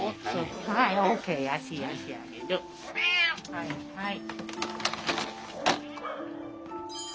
はいはい。